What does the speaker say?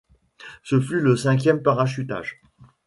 Ce fut le cinquième parachutage.